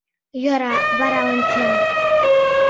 Йӧра, вара ончем.